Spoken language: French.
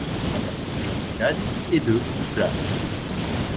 La capacité du stade est de places.